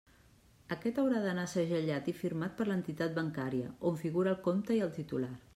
Aquest haurà d'anar segellat i firmat per l'entitat bancària, on figure el compte i el titular.